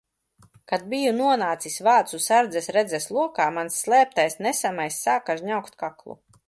Kad biju nonācis vācu sardzes redzes lokā mans slēptais nesamais sāka žņaugt kaklu.